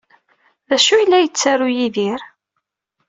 D acu ay la yettaru Yidir?